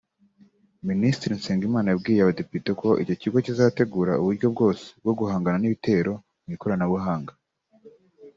Minisitiri Nsengimana yabwiye abadepite ko icyo kigo kizategura uburyo bwose bwo guhangana n’ibitero mu ikoranabuhanga